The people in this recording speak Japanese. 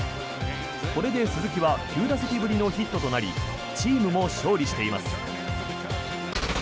これで鈴木は９打席ぶりのヒットとなりチームも勝利しています。